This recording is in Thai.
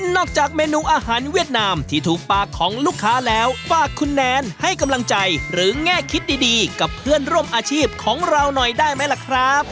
จากเมนูอาหารเวียดนามที่ถูกปากของลูกค้าแล้วฝากคุณแนนให้กำลังใจหรือแง่คิดดีกับเพื่อนร่วมอาชีพของเราหน่อยได้ไหมล่ะครับ